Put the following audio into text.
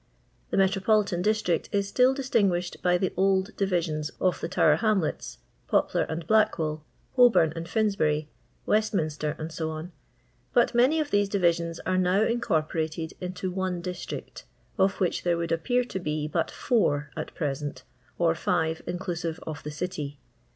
The metropolitan district is still distinffuished by the old divisions of the Tower Hamlets, Poplar and BUckwall, Holbom and Finsbnry, Westminster, &c ; but many of these divisions are now incorporated into one district ; of which there would appear to be but four at present ; or five, inclusive of the City.